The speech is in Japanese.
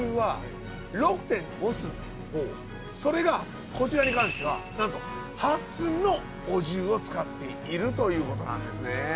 それがこちらに関してはなんと８寸のお重を使っているということなんですね。